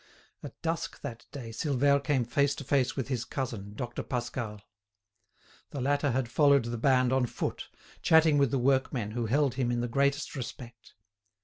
At dusk that day Silvère came face to face with his cousin, Doctor Pascal. The latter had followed the band on foot, chatting with the workmen who held him in the greatest respect.